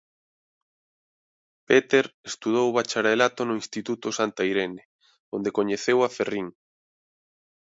Peter estudou o bacharelato no instituto Santa Irene, onde coñeceu a Ferrín.